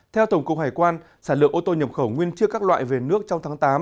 theo tổng cục hải quan sản lượng ô tô nhập khẩu nguyên trước các loại về nước trong tháng tám